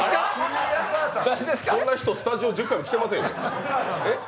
こんな人、スタジオに１０回も来てませんよ。